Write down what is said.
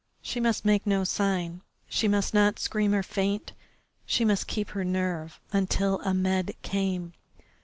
She must make no sign, she must not scream or faint, she must keep her nerve until Ahmed came.